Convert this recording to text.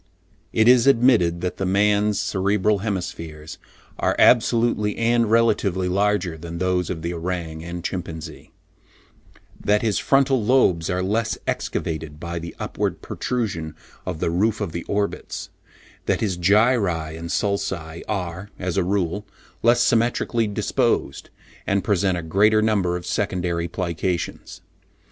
It is admitted that the man's cerebral hemispheres are absolutely and relatively larger than those of the orang and chimpanzee; that his frontal lobes are less excavated by the upward protrusion of the roof of the orbits; that his gyri and sulci are, as a rule, less symmetrically disposed, and present a greater number of secondary plications.